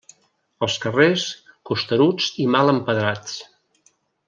Els carrers, costeruts i mal empedrats.